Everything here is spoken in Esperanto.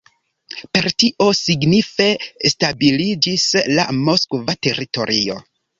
Per tio signife stabiliĝis la moskva teritorio.